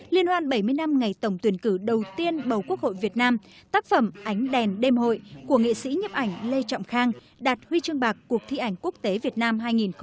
liên hoàn bảy mươi năm ngày tổng tuyển cử đầu tiên bầu quốc hội việt nam tác phẩm ánh đèn đêm hội của nghị sĩ nhập ảnh lê trọng khang đạt huy chương bạc cuộc thi ảnh quốc tế việt nam hai nghìn một mươi năm